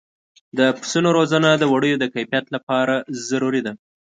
د پسونو روزنه د وړیو د کیفیت لپاره ضروري ده.